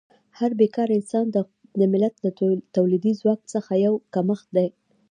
هر بېکاره انسان د ملت له تولیدي ځواک څخه یو کمښت دی.